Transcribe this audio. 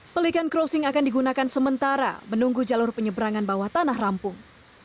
pelikan crossing akan digunakan sementara menunggu jalur penyeberangan bawah tanah rampung